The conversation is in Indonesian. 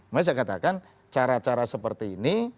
makanya saya katakan cara cara seperti ini